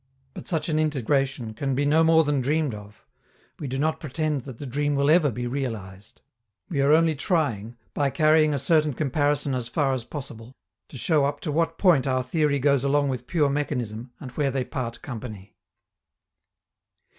But such an integration can be no more than dreamed of; we do not pretend that the dream will ever be realized. We are only trying, by carrying a certain comparison as far as possible, to show up to what point our theory goes along with pure mechanism, and where they part company.